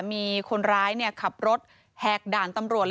มีคนร้ายขับรถแหกด่านตำรวจ